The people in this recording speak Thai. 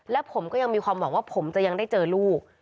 และผมก็ยังมีความหวังว่าผมจะยังได้เจอลูก